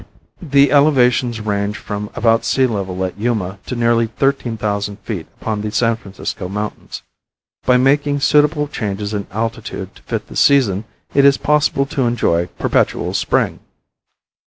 The elevations range from about sea level at Yuma to nearly thirteen thousand feet upon the San Francisco mountains. By making suitable changes in altitude to fit the season it is possible to enjoy perpetual spring.